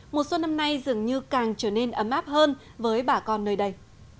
một số năm nay dường như càng trở nên ấm áp hơn với bà con nơi đây